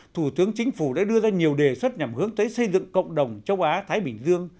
thủ tướng chính phủ đã đưa ra nhiều đề xuất nhằm hướng tới xây dựng cộng đồng châu á thái bình dương